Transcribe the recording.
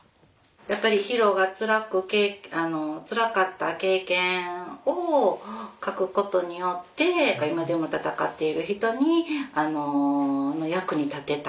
やっぱりヒロがつらくつらかった経験を書くことによって今でも闘っている人にあのの役に立てた。